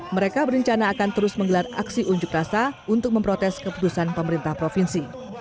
mereka berencana akan terus menggelar aksi unjuk rasa untuk memprotes keputusan pemerintah provinsi